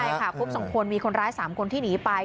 ใช่ค่ะครบ๒คนมีคนร้าย๓คนที่หนีไป